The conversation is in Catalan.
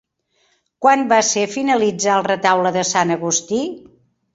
Quan va ser finalitzar el Retaule de Sant Agustí?